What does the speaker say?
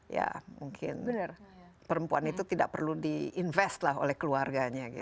ya mungkin perempuan itu tidak perlu di invest lah oleh keluarganya